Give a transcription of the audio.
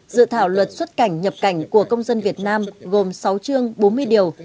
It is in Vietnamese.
dự thảo luật xuất cảnh nhập cảnh của công dân việt nam gồm sáu chương bốn mươi điều